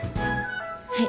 はい。